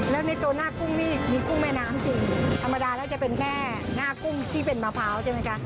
แล้วในตัวหน้ากุ้งนี่มีกุ้งแม่น้ำจริงธรรมดาแล้วจะเป็นแค่หน้ากุ้งที่เป็นมะพร้าวใช่ไหมคะ